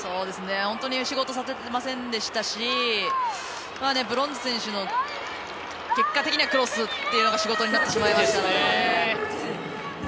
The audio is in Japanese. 本当に仕事させてませんでしたしブロンズ選手の結果的にはクロスというのが仕事になってしまいましたね。